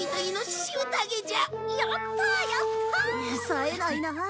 さえないなあ。